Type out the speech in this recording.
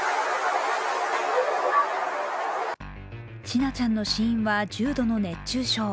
千奈ちゃんの死因は重度の熱中症。